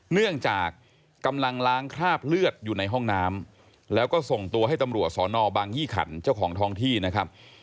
เนื่องจากกำลังล้างคราบเลือดอยู่ในห้องน้ำแล้วก็ส่งตัวให้ตำรวจสอนอบางยี่ขันเจ้าของท้องที่นะครับ